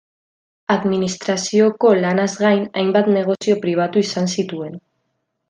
Administrazioko lanaz gain, hainbat negozio pribatu izan zituen.